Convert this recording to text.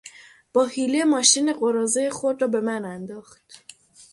با حیله ماشین قراضهی خود را به من انداخت.